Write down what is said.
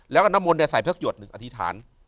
แล้วเครื่องน้ำมนต์ใส่ผักหยดนึงอธิษฐาน